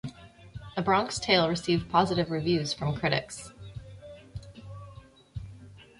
"A Bronx Tale" received positive reviews from critics.